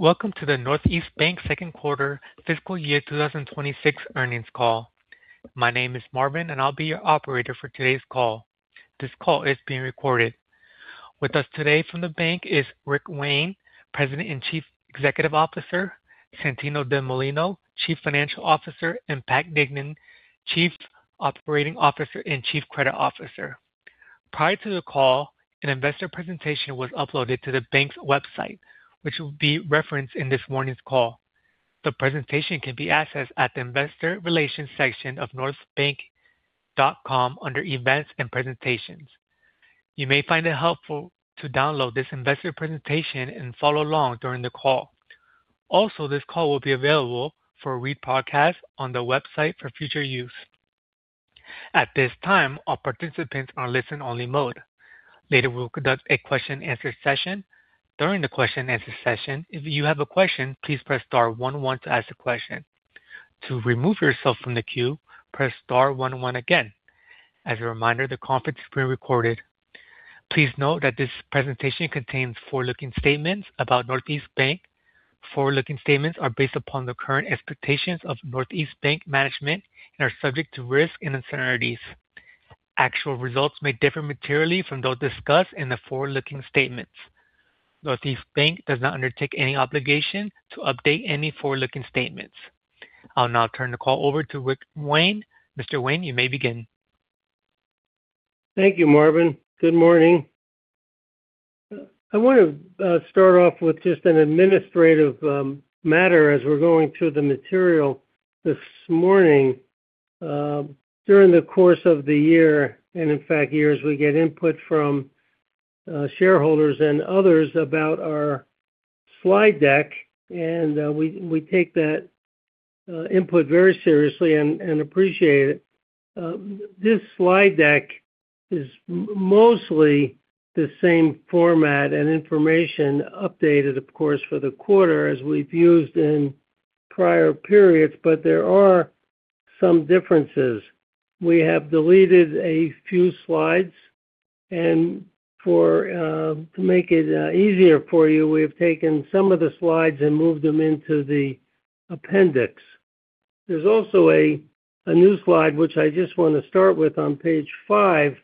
Welcome to the Northeast Bank Second Quarter Fiscal Year 2026 Earnings Call. My name is Marvin, and I'll be your operator for today's call. This call is being recorded. With us today from the bank is Rick Wayne, President and Chief Executive Officer; Santino Delmolino, Chief Financial Officer; and Pat Dignan, Chief Operating Officer and Chief Credit Officer. Prior to the call, an investor presentation was uploaded to the bank's website, which will be referenced in this morning's call. The presentation can be accessed at the Investor Relations section of northeastbank.com under Events and Presentations. You may find it helpful to download this investor presentation and follow along during the call. Also, this call will be available for a re-podcast on the website for future use. At this time, all participants are in listen-only mode. Later, we will conduct a question-and-answer session. During the question-and-answer session, if you have a question, please press star one, one to ask the question. To remove yourself from the queue, press star one, one again. As a reminder, the conference is being recorded. Please note that this presentation contains forward-looking statements about Northeast Bank. Forward-looking statements are based upon the current expectations of Northeast Bank management and are subject to risk and uncertainties. Actual results may differ materially from those discussed in the forward-looking statements. Northeast Bank does not undertake any obligation to update any forward-looking statements. I'll now turn the call over to Rick Wayne. Mr. Wayne, you may begin. Thank you, Marvin. Good morning. I want to start off with just an administrative matter as we're going through the material this morning. During the course of the year, and in fact, years, we get input from shareholders and others about our slide deck, and we take that input very seriously and appreciate it. This slide deck is mostly the same format and information updated, of course, for the quarter as we've used in prior periods, but there are some differences. We have deleted a few slides, and to make it easier for you, we have taken some of the slides and moved them into the appendix. There's also a new slide, which I just want to start with on page five,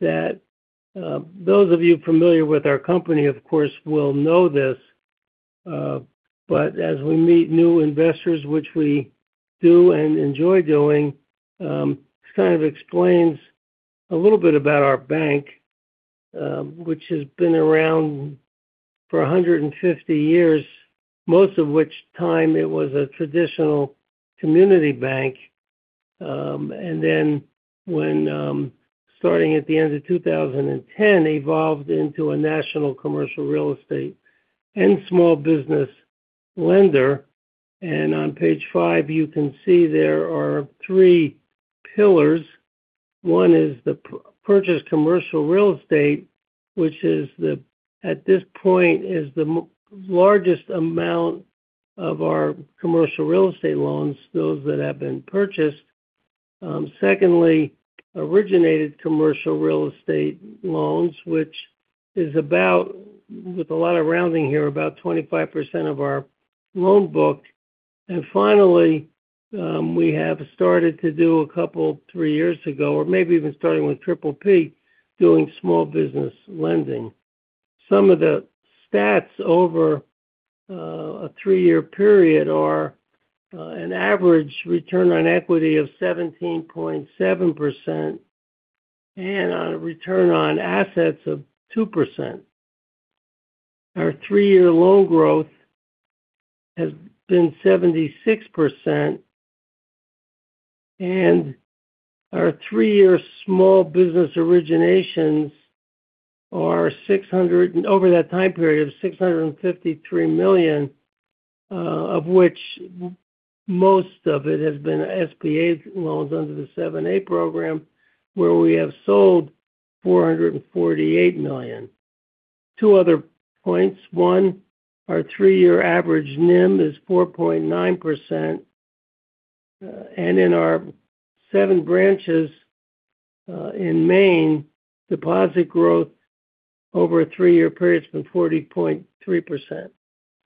that those of you familiar with our company, of course, will know this. But as we meet new investors, which we do and enjoy doing, it kind of explains a little bit about our bank, which has been around for 150 years, most of which time it was a traditional community bank. And then when starting at the end of 2010, it evolved into a national commercial real estate and small business lender. And on page five, you can see there are three pillars. One is the purchased commercial real estate, which at this point is the largest amount of our commercial real estate loans, those that have been purchased. Secondly, originated commercial real estate loans, which is, with a lot of rounding here, about 25% of our loan book. And finally, we have started to do a couple three years ago, or maybe even starting with PPP, doing small business lending. Some of the stats over a three-year period are an average return on equity of 17.7% and a return on assets of 2%. Our three-year loan growth has been 76%, and our three-year small business originations are over that time period of $653 million, of which most of it has been SBA loans under the 7(a) program, where we have sold $448 million. Two other points. One, our three-year average NIM is 4.9%, and in our seven branches in Maine, deposit growth over a three-year period has been 40.3%.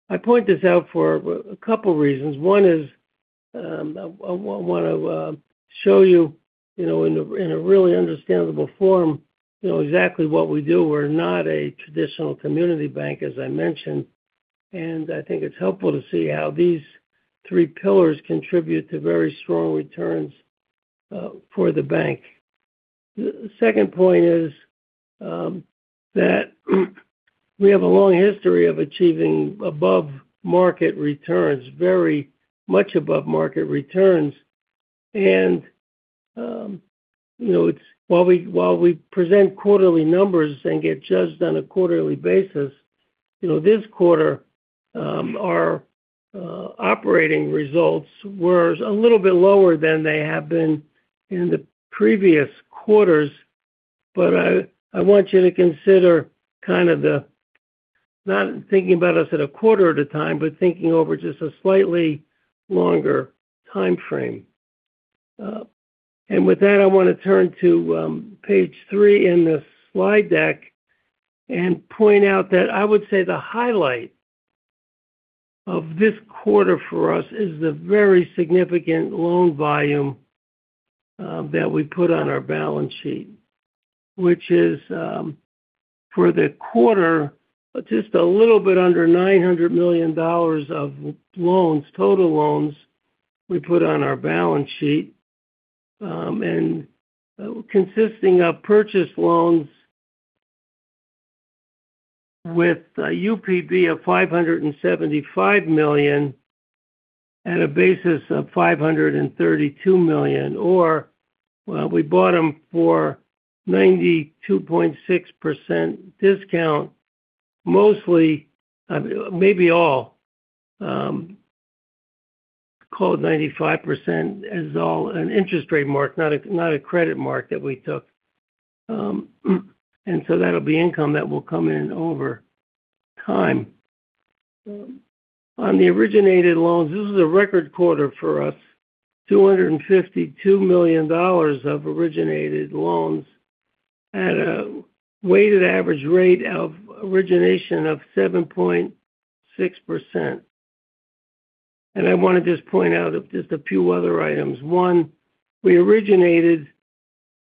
I point this out for a couple of reasons. One is I want to show you in a really understandable form exactly what we do. We're not a traditional community bank, as I mentioned, and I think it's helpful to see how these three pillars contribute to very strong returns for the bank. The second point is that we have a long history of achieving above-market returns, very much above-market returns. While we present quarterly numbers and get judged on a quarterly basis, this quarter, our operating results were a little bit lower than they have been in the previous quarters. I want you to consider kind of not thinking about us at a quarter at a time, but thinking over just a slightly longer time frame. And with that, I want to turn to page three in the slide deck and point out that I would say the highlight of this quarter for us is the very significant loan volume that we put on our balance sheet, which is for the quarter, just a little bit under $900 million of loans, total loans we put on our balance sheet, consisting of purchased loans with a UPB of $575 million at a basis of $532 million, or we bought them for 92.6% discount, mostly, maybe all, called 95% as all an interest rate mark, not a credit mark that we took. And so that'll be income that will come in over time. On the originated loans, this was a record quarter for us, $252 million of originated loans at a weighted average rate of origination of 7.6%. I want to just point out just a few other items. One, we originated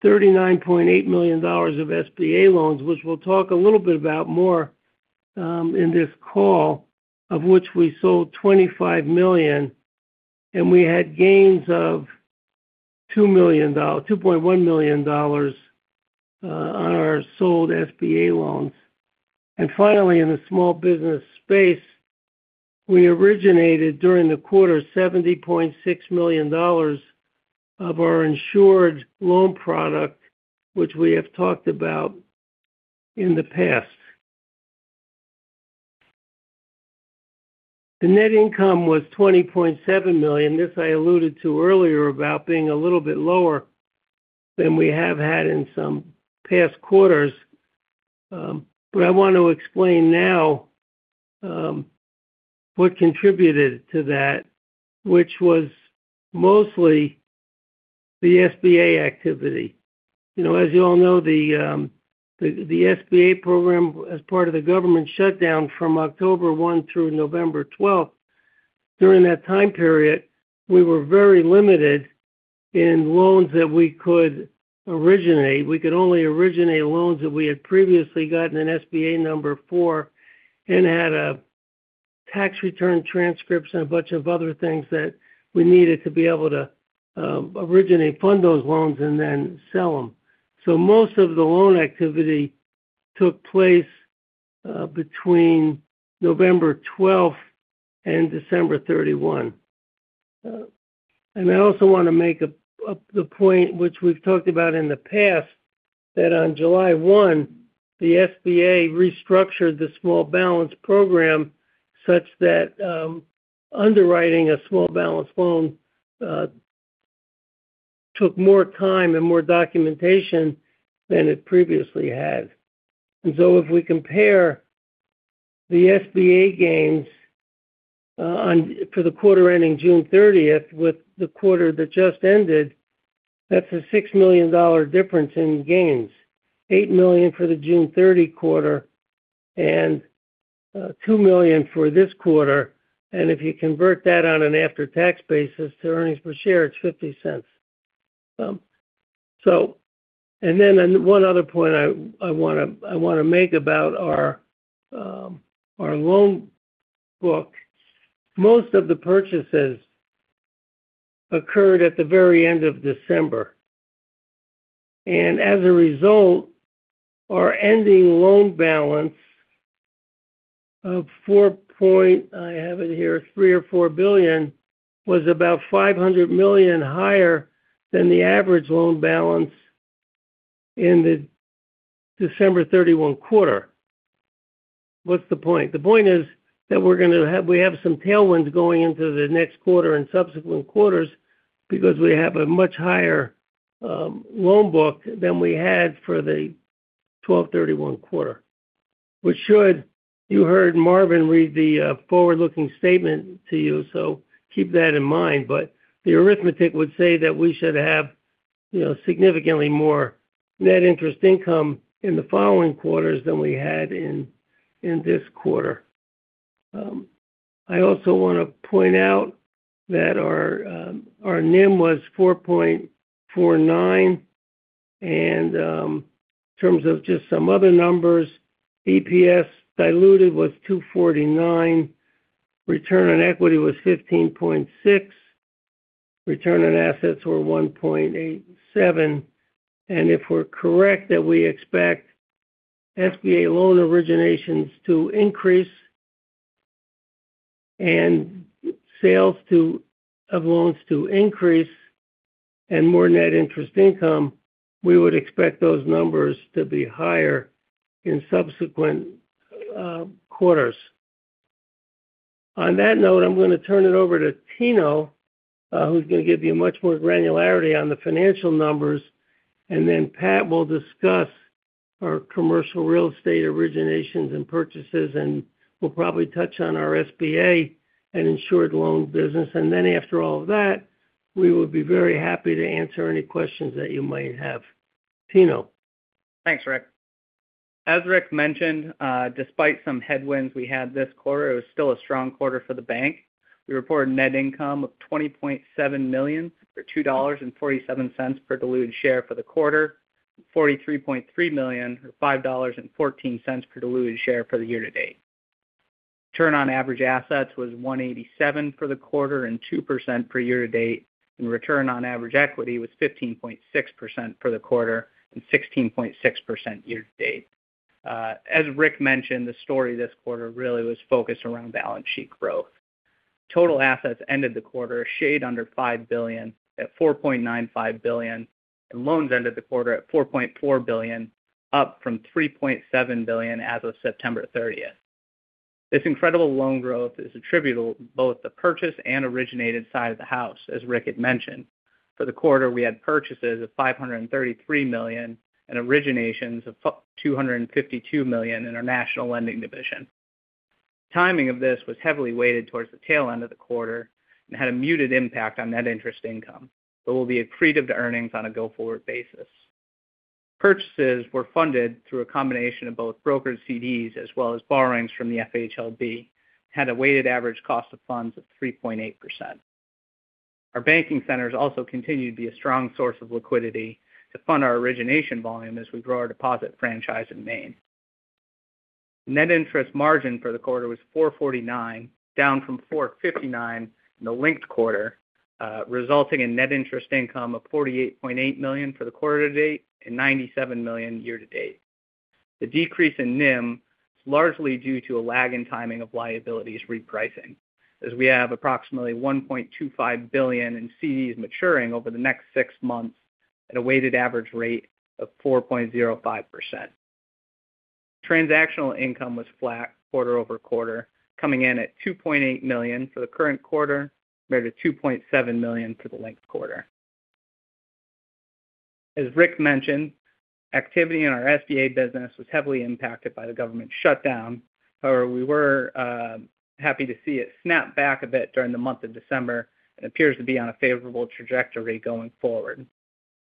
$39.8 million of SBA loans, which we'll talk a little bit about more in this call, of which we sold $25 million, and we had gains of $2.1 million on our sold SBA loans. And finally, in the small business space, we originated during the quarter $70.6 million of our insured loan product, which we have talked about in the past. The net income was $20.7 million. This I alluded to earlier about being a little bit lower than we have had in some past quarters. But I want to explain now what contributed to that, which was mostly the SBA activity. As you all know, the SBA program, as part of the government shutdown from October 1 through November 12, during that time period, we were very limited in loans that we could originate. We could only originate loans that we had previously gotten an SBA number for and had a tax return transcript and a bunch of other things that we needed to be able to originate fund those loans and then sell them. So most of the loan activity took place between November 12th and December 31. And I also want to make the point, which we've talked about in the past, that on July 1, the SBA restructured the small balance program such that underwriting a small balance loan took more time and more documentation than it previously had. And so if we compare the SBA gains for the quarter ending June 30th with the quarter that just ended, that's a $6 million difference in gains, $8 million for the June 30 quarter and $2 million for this quarter. And if you convert that on an after-tax basis to earnings per share, it's $0.50. And then one other point I want to make about our loan book, most of the purchases occurred at the very end of December. And as a result, our ending loan balance of $4.3 billion or $4.4 billion was about $500 million higher than the average loan balance in the December 31 quarter. What's the point? The point is that we have some tailwinds going into the next quarter and subsequent quarters because we have a much higher loan book than we had for the December 31 quarter, which should, you heard Marvin read the forward-looking statement to you, so keep that in mind. But the arithmetic would say that we should have significantly more net interest income in the following quarters than we had in this quarter. I also want to point out that our NIM was 4.49%. In terms of just some other numbers, EPS diluted was $2.49, return on equity was 15.6%, return on assets were 1.87%. If we're correct that we expect SBA loan originations to increase and sales of loans to increase and more net interest income, we would expect those numbers to be higher in subsequent quarters. On that note, I'm going to turn it over to Tino, who's going to give you much more granularity on the financial numbers. Then Pat will discuss our commercial real estate originations and purchases, and we'll probably touch on our SBA and insured loan business. Then after all of that, we would be very happy to answer any questions that you might have. Tino. Thanks, Rick. As Rick mentioned, despite some headwinds we had this quarter, it was still a strong quarter for the bank. We reported net income of $20.7 million or $2.47 per diluted share for the quarter, $43.3 million or $5.14 per diluted share for the year to date. Return on average assets was 1.87% for the quarter and 2% year to date, and return on average equity was 15.6% for the quarter and 16.6% year to date. As Rick mentioned, the story this quarter really was focused around balance sheet growth. Total assets ended the quarter a shade under $5 billion at $4.95 billion, and loans ended the quarter at $4.4 billion, up from $3.7 billion as of September 30th. This incredible loan growth is attributable to both the purchase and originated side of the house, as Rick had mentioned. For the quarter, we had purchases of $533 million and originations of $252 million in our national lending division. Timing of this was heavily weighted towards the tail end of the quarter and had a muted impact on net interest income, but will be accretive to earnings on a go-forward basis. Purchases were funded through a combination of both brokered CDs as well as borrowings from the FHLB and had a weighted average cost of funds of 3.8%. Our banking centers also continue to be a strong source of liquidity to fund our origination volume as we grow our deposit franchise in Maine. Net interest margin for the quarter was 4.49%, down from 4.59% in the linked quarter, resulting in net interest income of $48.8 million for the quarter to date and $97 million year to date. The decrease in NIM is largely due to a lag in timing of liabilities repricing, as we have approximately $1.25 billion in CDs maturing over the next six months at a weighted average rate of 4.05%. Transactional income was flat quarter over quarter, coming in at $2.8 million for the current quarter compared to $2.7 million for the linked quarter. As Rick mentioned, activity in our SBA business was heavily impacted by the government shutdown. However, we were happy to see it snap back a bit during the month of December and appears to be on a favorable trajectory going forward.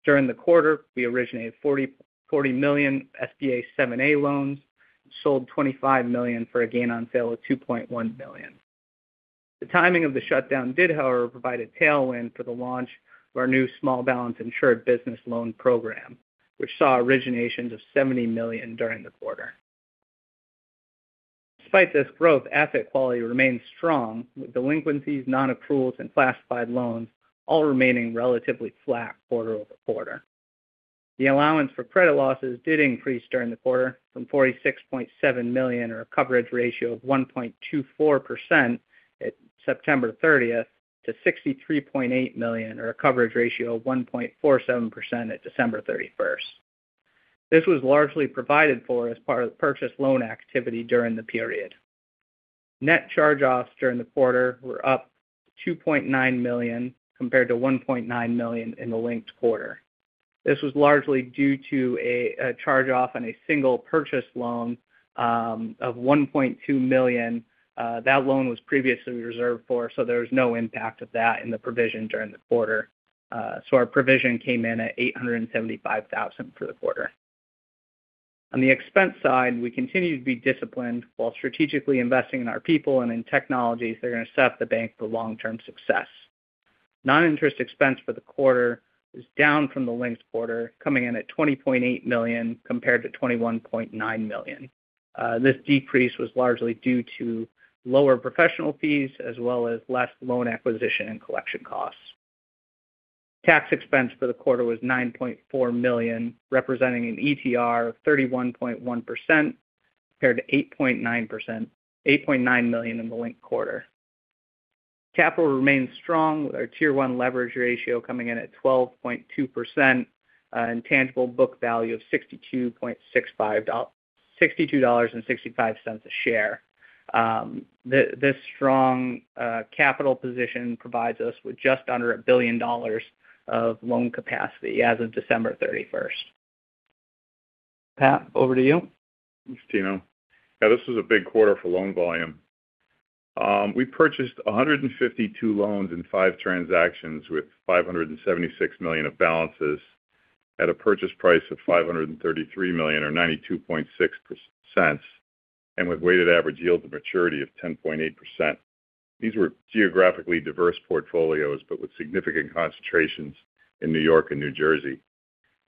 During the quarter, we originated $40 million SBA 7(a) loans and sold $25 million for a gain on sale of $2.1 million. The timing of the shutdown did, however, provide a tailwind for the launch of our new small balance insured business loan program, which saw originations of $70 million during the quarter. Despite this growth, asset quality remained strong, with delinquencies, non-accruals, and classified loans all remaining relatively flat quarter over quarter. The allowance for credit losses did increase during the quarter from $46.7 million or a coverage ratio of 1.24% at September 30th to $63.8 million or a coverage ratio of 1.47% at December 31st. This was largely provided for as part of the purchase loan activity during the period. Net charge-offs during the quarter were up $2.9 million compared to $1.9 million in the linked quarter. This was largely due to a charge-off on a single purchase loan of $1.2 million. That loan was previously reserved for, so there was no impact of that in the provision during the quarter. So our provision came in at $875,000 for the quarter. On the expense side, we continue to be disciplined. While strategically investing in our people and in technologies, they're going to set the bank for long-term success. Non-interest expense for the quarter was down from the linked quarter, coming in at $20.8 million compared to $21.9 million. This decrease was largely due to lower professional fees as well as less loan acquisition and collection costs. Tax expense for the quarter was $9.4 million, representing an ETR of 31.1% compared to $8.9 million in the linked quarter. Capital remained strong with our Tier 1 leverage ratio coming in at 12.2% and tangible book value of $62.65 a share. This strong capital position provides us with just under $1 billion of loan capacity as of December 31st. Pat, over to you. Thanks, Tino. Yeah, this was a big quarter for loan volume. We purchased 152 loans in five transactions with $576 million of balances at a purchase price of $533 million or 92.6% and with weighted average yield to maturity of 10.8%. These were geographically diverse portfolios but with significant concentrations in New York and New Jersey.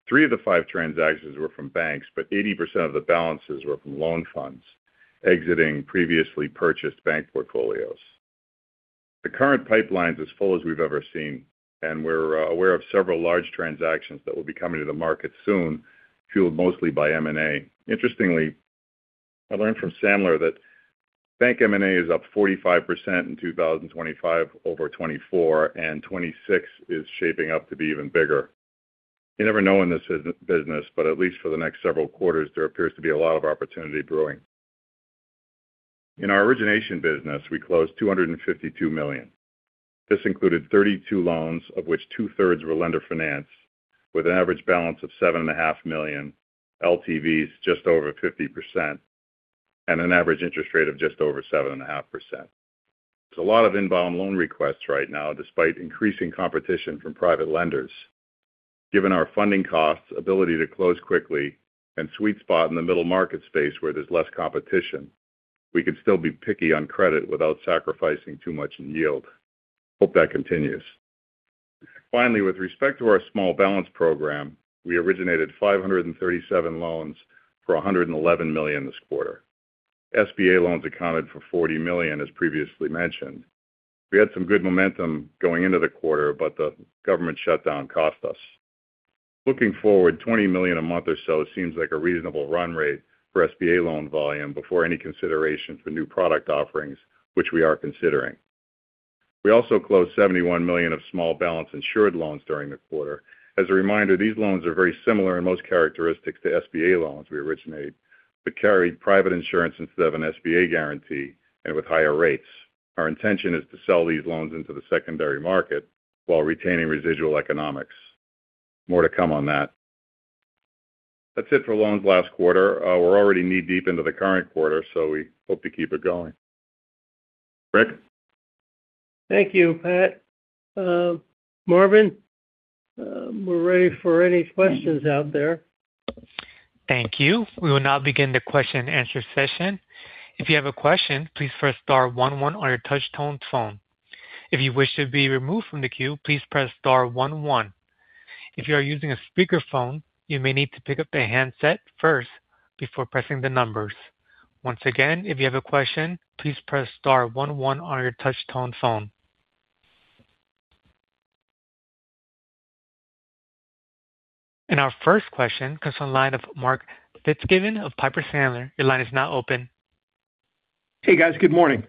Three of the 5 transactions were from banks, but 80% of the balances were from loan funds exiting previously purchased bank portfolios. The current pipeline is as full as we've ever seen, and we're aware of several large transactions that will be coming to the market soon, fueled mostly by M&A. Interestingly, I learned from Sandler that bank M&A is up 45% in 2025 over 2024, and 2026 is shaping up to be even bigger. You never know in this business, but at least for the next several quarters, there appears to be a lot of opportunity brewing. In our origination business, we closed $252 million. This included 32 loans, of which two-thirds were lender financed, with an average balance of $7.5 million, LTVs just over 50%, and an average interest rate of just over 7.5%. There's a lot of inbound loan requests right now, despite increasing competition from private lenders. Given our funding costs, ability to close quickly, and sweet spot in the middle market space where there's less competition, we can still be picky on credit without sacrificing too much in yield. Hope that continues. Finally, with respect to our small balance program, we originated 537 loans for $111 million this quarter. SBA loans accounted for $40 million, as previously mentioned. We had some good momentum going into the quarter, but the government shutdown cost us. Looking forward, $20 million a month or so seems like a reasonable run rate for SBA loan volume before any consideration for new product offerings, which we are considering. We also closed $71 million of small balance insured loans during the quarter. As a reminder, these loans are very similar in most characteristics to SBA loans we originate, but carry private insurance instead of an SBA guarantee and with higher rates. Our intention is to sell these loans into the secondary market while retaining residual economics. More to come on that. That's it for loans last quarter. We're already knee-deep into the current quarter, so we hope to keep it going. Rick? Thank you, Pat. Marvin, we're ready for any questions out there. Thank you. We will now begin the question-and-answer session. If you have a question, please press star one, one on your touch-tone phone. If you wish to be removed from the queue, please press star one, one. If you are using a speakerphone, you may need to pick up the handset first before pressing the numbers. Once again, if you have a question, please press star one, one on your touch-tone phone. Our first question comes from the line of Mark Fitzgibbon of Piper Sandler. Your line is now open. Hey, guys. Good morning.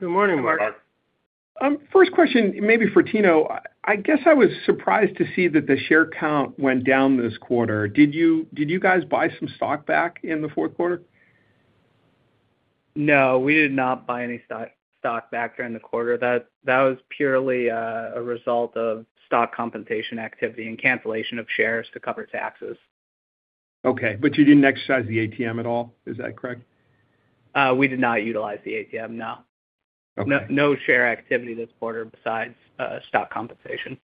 Good morning, Mark. First question, maybe for Tino. I guess I was surprised to see that the share count went down this quarter. Did you guys buy some stock back in the fourth quarter? No, we did not buy any stock back during the quarter. That was purely a result of stock compensation activity and cancellation of shares to cover taxes. Okay. But you didn't exercise the ATM at all? Is that correct? We did not utilize the ATM, no. No share activity this quarter besides stock compensation.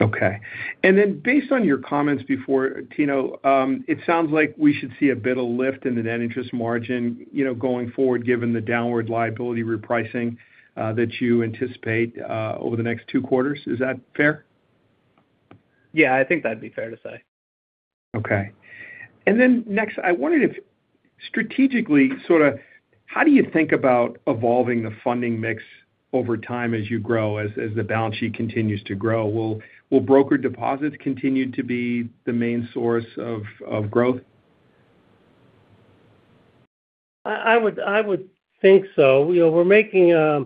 Okay. Then based on your comments before, Tino, it sounds like we should see a bit of lift in the net interest margin going forward, given the downward liability repricing that you anticipate over the next two quarters. Is that fair? Yeah, I think that'd be fair to say. Okay. And then next, I wondered if strategically, sort of how do you think about evolving the funding mix over time as you grow, as the balance sheet continues to grow? Will brokered deposits continue to be the main source of growth? I would think so. We're making a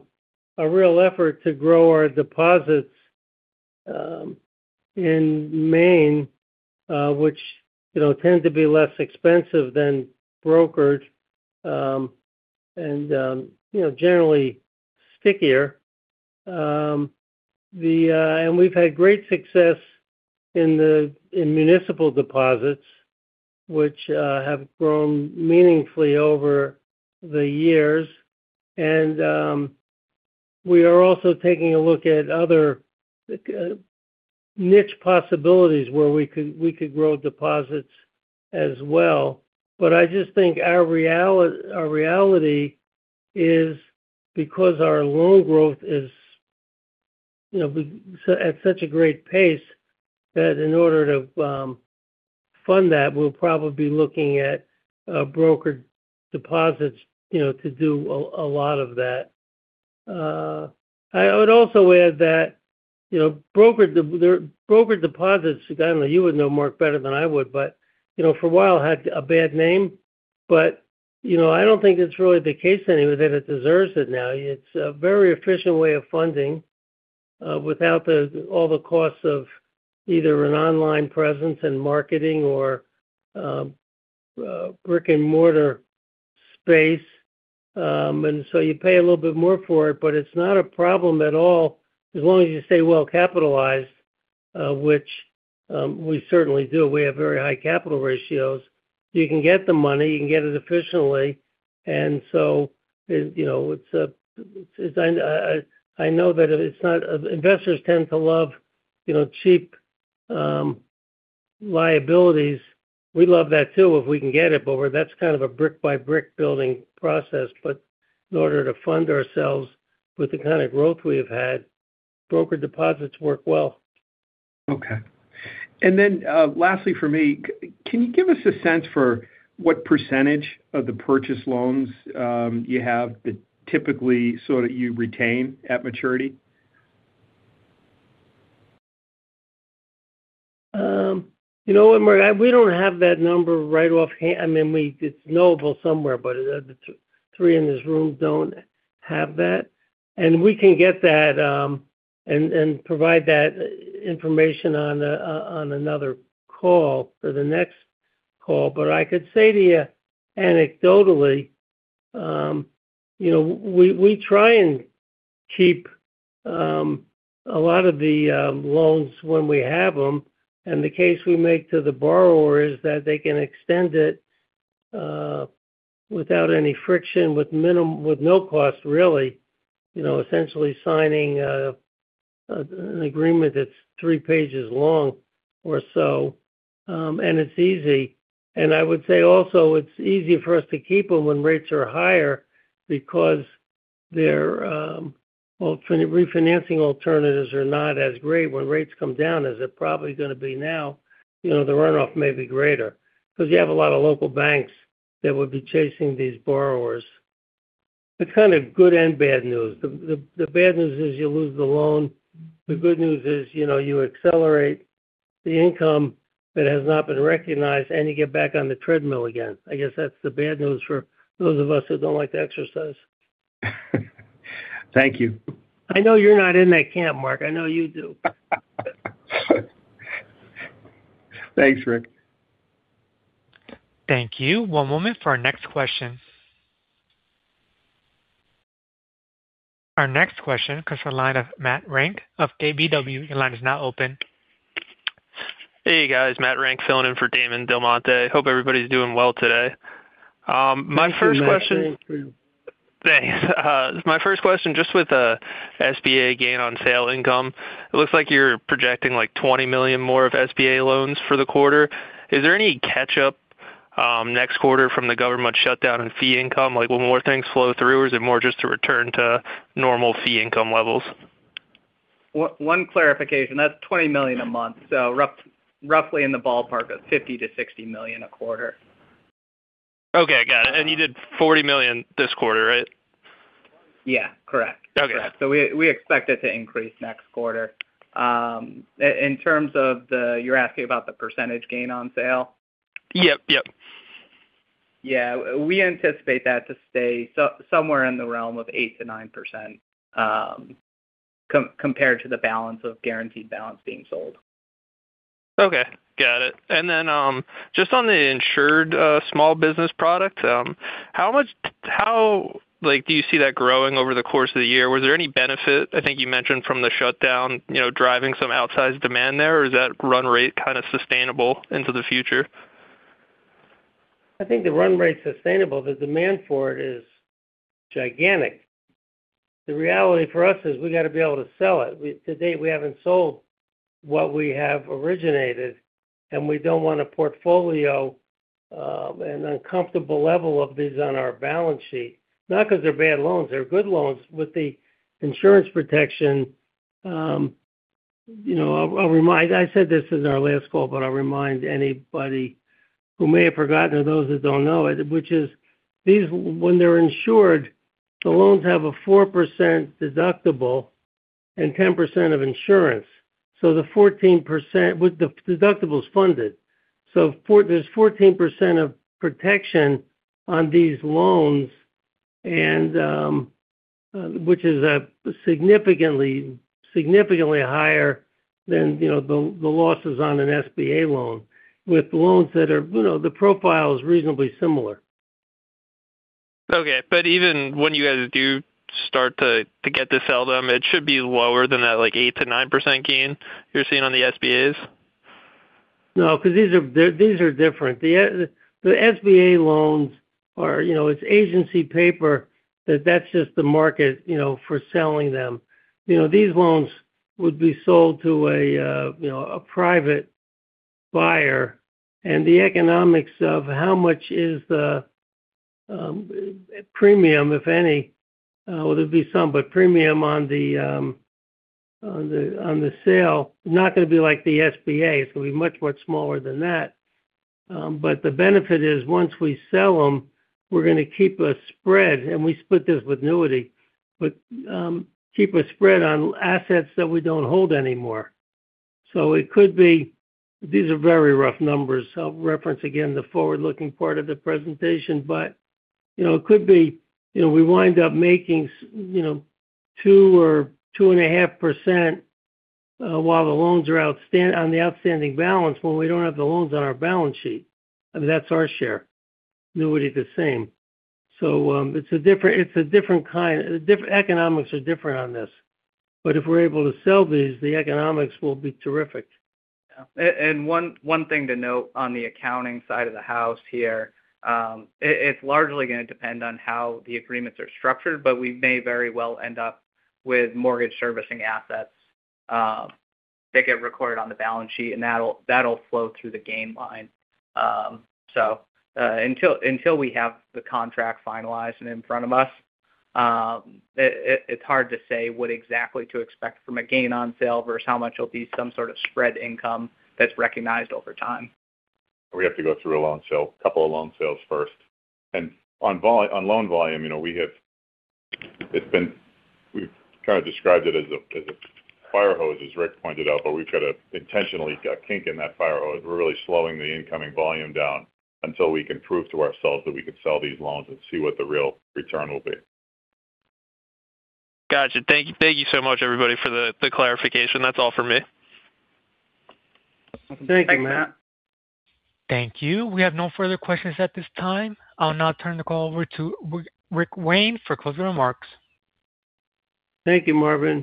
real effort to grow our deposits in Maine, which tend to be less expensive than brokered and generally stickier. And we've had great success in municipal deposits, which have grown meaningfully over the years. And we are also taking a look at other niche possibilities where we could grow deposits as well. But I just think our reality is, because our loan growth is at such a great pace, that in order to fund that, we'll probably be looking at brokered deposits to do a lot of that. I would also add that brokered deposits, you would know Mark better than I would, but for a while had a bad name. But I don't think it's really the case anymore that it deserves it now. It's a very efficient way of funding without all the costs of either an online presence and marketing or brick-and-mortar space. And so you pay a little bit more for it, but it's not a problem at all as long as you stay well capitalized, which we certainly do. We have very high capital ratios. You can get the money. You can get it efficiently. And so it's a—I know that it's not—investors tend to love cheap liabilities. We love that too if we can get it, but that's kind of a brick-by-brick building process. But in order to fund ourselves with the kind of growth we have had, brokered deposits work well. Okay. And then lastly for me, can you give us a sense for what percentage of the purchase loans you have that typically sort of you retain at maturity? You know what, Mark? We don't have that number right offhand. I mean, it's knowable somewhere, but the three in this room don't have that. We can get that and provide that information on another call for the next call. But I could say to you anecdotally, we try and keep a lot of the loans when we have them. The case we make to the borrower is that they can extend it without any friction, with no cost, really, essentially signing an agreement that's three pages long or so. It's easy. I would say also it's easier for us to keep them when rates are higher because their refinancing alternatives are not as great. When rates come down, as they're probably going to be now, the runoff may be greater because you have a lot of local banks that would be chasing these borrowers. It's kind of good and bad news. The bad news is you lose the loan. The good news is you accelerate the income that has not been recognized, and you get back on the treadmill again. I guess that's the bad news for those of us who don't like to exercise. Thank you. I know you're not in that camp, Mark. I know you do. Thanks, Rick. Thank you. One moment for our next question. Our next question comes from the line of Matt Renck of KBW. Your line is now open. Hey, guys. Matt Renck filling in for Damon DelMonte. Hope everybody's doing well today. My first question. Thanks, Matt. Thanks. My first question, just with SBA gain on sale income, it looks like you're projecting like $20 million more of SBA loans for the quarter. Is there any catch-up next quarter from the government shutdown in fee income? Will more things flow through, or is it more just to return to normal fee income levels? One clarification. That's $20 million a month, so roughly in the ballpark of $50 million-$60 million a quarter. Okay. Got it. And you did $40 million this quarter, right? Yeah. Correct. Okay. We expect it to increase next quarter. In terms of the—you're asking about the percentage gain on sale? Yep. Yep. Yeah. We anticipate that to stay somewhere in the realm of 8%-9% compared to the balance of guaranteed balance being sold. Okay. Got it. And then just on the insured small business product, how do you see that growing over the course of the year? Was there any benefit, I think you mentioned, from the shutdown driving some outsized demand there, or is that run rate kind of sustainable into the future? I think the run rate's sustainable. The demand for it is gigantic. The reality for us is we got to be able to sell it. To date, we haven't sold what we have originated, and we don't want a portfolio and uncomfortable level of these on our balance sheet. Not because they're bad loans. They're good loans. With the insurance protection, I said this in our last call, but I'll remind anybody who may have forgotten or those who don't know it, which is when they're insured, the loans have a 4% deductible and 10% of insurance. So the 14% with the deductible is funded. So there's 14% of protection on these loans, which is significantly higher than the losses on an SBA loan with loans that are, the profile is reasonably similar. Okay. But even when you guys do start to get to sell them, it should be lower than that 8%-9% gain you're seeing on the SBAs? No, because these are different. The SBA loans are—it's agency paper that that's just the market for selling them. These loans would be sold to a private buyer. And the economics of how much is the premium, if any, or there'd be some, but premium on the sale is not going to be like the SBA. It's going to be much, much smaller than that. But the benefit is once we sell them, we're going to keep a spread. And we split this with NEWITY, but keep a spread on assets that we don't hold anymore. So it could be—these are very rough numbers. I'll reference again the forward-looking part of the presentation. But it could be we wind up making 2%-2.5% while the loans are on the outstanding balance when we don't have the loans on our balance sheet. I mean, that's our share. NEWITY the same. It's a different kind. Economics are different on this. If we're able to sell these, the economics will be terrific. One thing to note on the accounting side of the house here, it's largely going to depend on how the agreements are structured, but we may very well end up with mortgage servicing assets that get recorded on the balance sheet, and that'll flow through the gain line. So until we have the contract finalized and in front of us, it's hard to say what exactly to expect from a gain on sale versus how much it'll be some sort of spread income that's recognized over time. We have to go through a couple of loan sales first. And on loan volume, we have, it's been, we've kind of described it as a firehose, as Rick pointed out, but we've got to intentionally kink in that firehose. We're really slowing the incoming volume down until we can prove to ourselves that we can sell these loans and see what the real return will be. Gotcha. Thank you so much, everybody, for the clarification. That's all for me. Thank you, Matt. Thank you. We have no further questions at this time. I'll now turn the call over to Rick Wayne for closing remarks. Thank you, Marvin.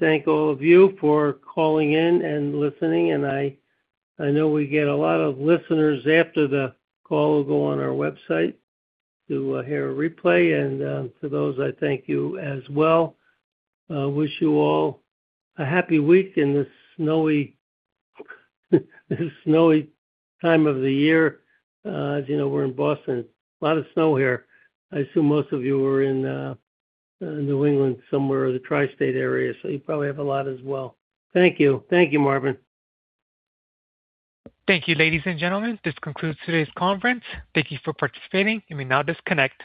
Thank all of you for calling in and listening. I know we get a lot of listeners after the call. We'll go on our website to hear a replay. To those, I thank you as well. Wish you all a happy week in this snowy time of the year. As you know, we're in Boston. A lot of snow here. I assume most of you are in New England somewhere or the tri-state area, so you probably have a lot as well. Thank you. Thank you, Marvin. Thank you, ladies and gentlemen. This concludes today's conference. Thank you for participating. You may now disconnect.